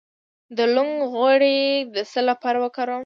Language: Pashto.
د لونګ غوړي د څه لپاره وکاروم؟